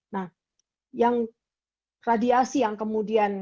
nah yang radiasi yang kemudian